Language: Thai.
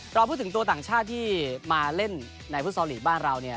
เราพูดถึงตัวต่างชาติที่มาเล่นในฟุตซอลลีกบ้านเราเนี่ย